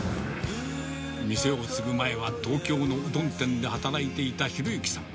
店を継ぐ前は、東京のうどん店で働いていた啓之さん。